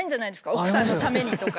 奥さんのためにとか。